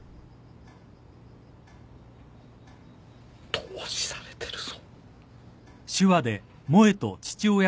透視されてるぞ。